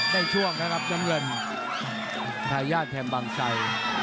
ได้ช่วงนะครับน้ำเงินถ่ายญาติแถมบางชัย